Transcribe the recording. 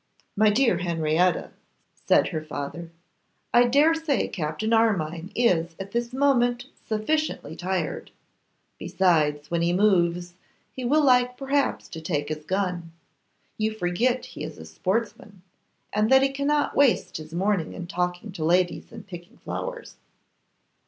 'My dear Henrietta,' said her father, 'I dare say Captain Armine is at this moment sufficiently tired; besides, when he moves, he will like perhaps to take his gun; you forget he is a sportsman, and that he cannot waste his morning in talking to ladies and picking flowers.